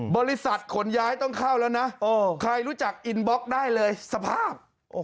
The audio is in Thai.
บริษัทขนย้ายต้องเข้าแล้วนะใครรู้จักอินบล็อกได้เลยสภาพ